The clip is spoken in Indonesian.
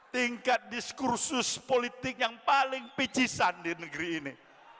tingkat diskursus politik yang paling picisan di negeri ini